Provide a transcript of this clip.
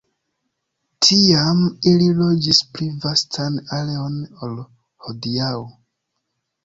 Tiam ili loĝis pli vastan areon ol hodiaŭ.